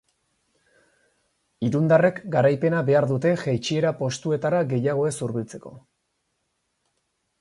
Irundarrek garaipena behar dute jaitsiera postuetara gehiago ez hurbiltzeko.